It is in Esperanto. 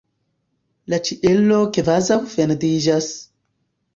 La ĉielo kvazaŭ fendiĝas!